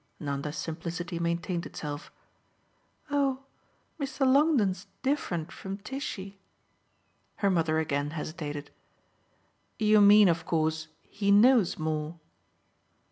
Nanda's simplicity maintained itself. "Oh Mr. Longdon's different from Tishy." Her mother again hesitated. "You mean of course he knows more?"